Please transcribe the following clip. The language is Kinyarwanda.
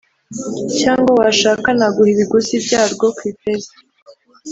cyangwa washaka naguha ibiguzi byarwo ku ifeza